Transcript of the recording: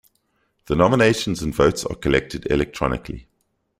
The nominations and votes are collected electronically.